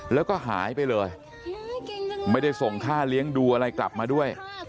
แล้วก็หายไปเลยไม่ได้ส่งค่าเลี้ยงดูอะไรกลับมาด้วย